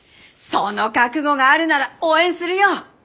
その覚悟があるなら応援するよ。